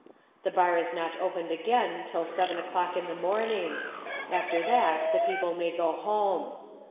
The bar is not opened again till seven o'clock in the morning; after that the people may go home.